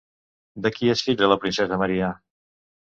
De qui és filla la princesa Maria?